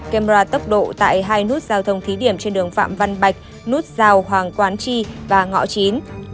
camera tốc độ tại hai nút giao thông thí điểm trên đường phạm văn bạch nút giao hoàng quán chi và ngõ chín